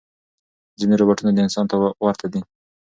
ځینې روباټونه انسان ته ورته دي.